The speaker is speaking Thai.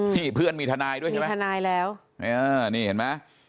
เพื่อนมีทนายด้วยใช่ไหมทนายแล้วนี่เห็นไหม